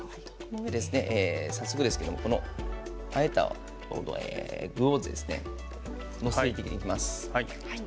早速ですけれどもこのあえた具を載せていきます。